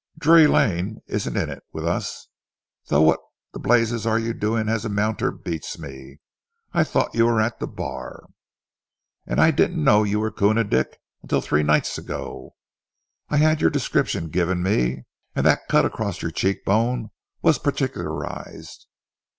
Drury Lane isn't in it with us, though what the blazes you are doing as a 'Mounter' beats me. I thought you were at the bar." "And I didn't know you were Koona Dick until three nights ago. I had your description given me, and that cut across your cheek bone was particularized.